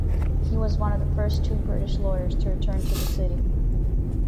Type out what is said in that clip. He was one of first two British lawyers to return to the city.